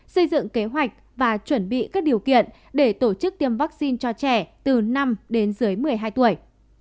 xây dựng kế hoạch và chuẩn bị các điều kiện để tổ chức tiêm vaccine cho trẻ từ năm đến dưới một mươi hai tuổi